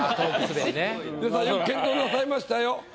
皆さんよく健闘なさいましたよ。